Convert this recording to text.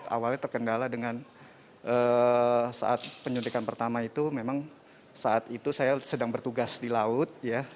awalnya terkendala dengan saat penyuntikan pertama itu memang saat itu saya sedang bertugas di laut